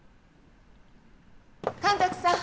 神崎さん。